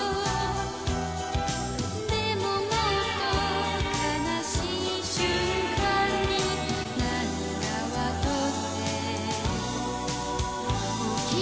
「でももっと哀しい瞬間に涙はとっておきたいの」